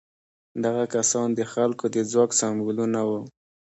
دغه کسان د خلکو د ځواک سمبولونه وو.